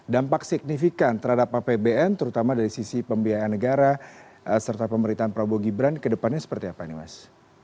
dampak signifikan terhadap apbn terutama dari sisi pembiayaan negara serta pemerintahan prabowo gibran kedepannya seperti apa ini mas